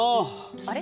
あれ？